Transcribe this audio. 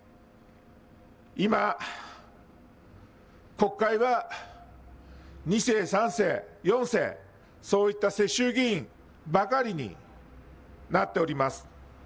今、国会は２世３世４世、そういった世襲議員ばかりになっております。